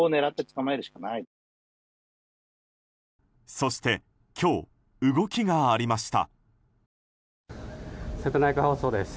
そして、今日動きがありました。